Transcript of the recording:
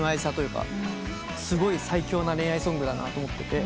すごい最強な恋愛ソングだなと思ってて。